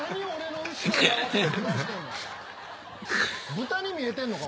豚に見えてんのか？